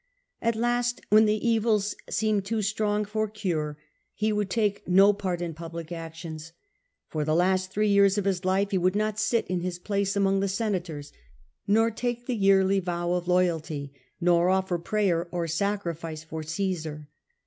At last, when the evils seemed too strong for cure, he would take no part in public actions. For the last three years of his life he would not sit in his place among the senators, nor take the yearly vow of loyalty, nor offer prayer or sacrifice for Csesar.